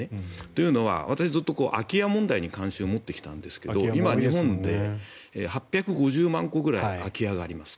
というのは、私ずっと空き家問題に関心を持ってきたんですが今、日本で８５０万戸ぐらい空き家があります。